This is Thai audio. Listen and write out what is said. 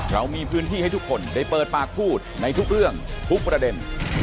เรามีพื้นที่ให้ทุกคนได้เปิดปากพูดในทุกเรื่องทุกประเด็น